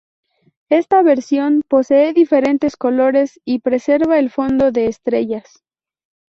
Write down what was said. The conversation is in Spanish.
Esta versión posee diferentes colores y preserva el fondo de estrellas.